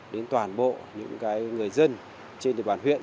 đến toàn bộ những người dân trên địa bàn huyện